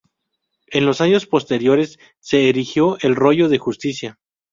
En los años posteriores se erigió el rollo de justicia.